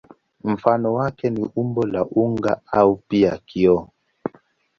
Mfano wake ni umbo la unga au pia kioo.